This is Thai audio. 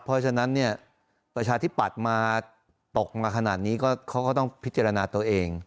เพราะฉะนั้นเนี่ยประชาธิปัตย์มาตกมาขนาดนี้ก็เขาก็ต้องพิจารณาตัวเอง